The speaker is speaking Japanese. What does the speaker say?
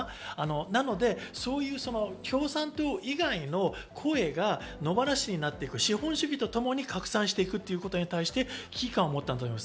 なのでそういう共産党以外の声が野放しになっていく、資本主義とともに拡散していくことに対して危機感を持ったんだと思います。